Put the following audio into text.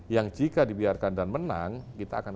yang jika dibiarkan dan menang kita akan